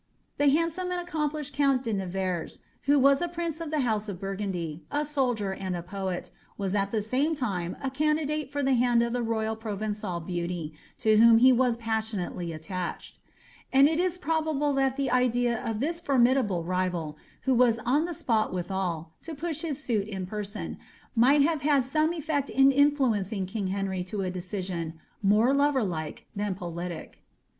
The handsome and accomplished count de Nevers, who was a prince sf the house of Burgundy, a soldier and a poet, was at the same time a oandidate h>r the hand of the royal Proven9al beauty, to whom he was paaaionately attached ;* and it is probable that the idea of this formidable rivals wno was on the spot withal, to push his suit in person, might have bad some efiect in influencing king Henry to a decision, more lover like than politic.